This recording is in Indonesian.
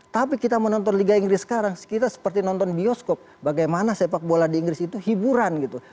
tapi kita menonton liga inggris sekarang kita seperti nonton bioskop bagaimana sepak bola di inggris itu hiburan gitu